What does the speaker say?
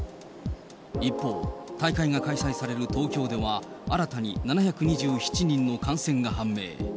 一方、大会が開催される東京では新たに７２７人の感染が判明。